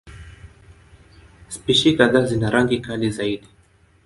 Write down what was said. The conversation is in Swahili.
Spishi kadhaa zina rangi kali zaidi.